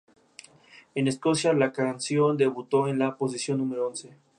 En Escocia, la canción debutó en la posición número once.